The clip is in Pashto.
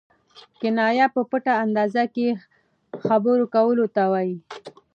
کنایه په پټ انداز کښي خبرو کولو ته وايي.